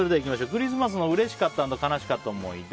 クリスマスのうれしかった＆悲しかった思い出